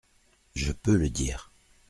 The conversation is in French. Je peux le dire !…